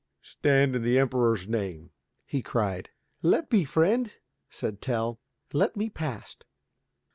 "Stand, in the Emperor's name," he cried. "Let be, friend," said Tell, "let me past."